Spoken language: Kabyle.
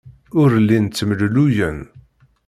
Ur llin ttemlelluyen.